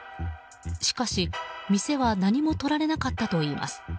しかし、店は何もとられなかったといいます。